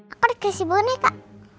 aku dikasih boneka